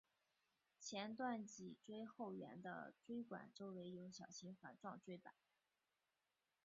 前段背椎后缘的椎管周围有小型环状椎版。